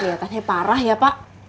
keliatannya parah ya pak